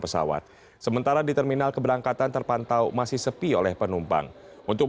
pesawat sementara di terminal keberangkatan terpantau masih sepi oleh penumpang untuk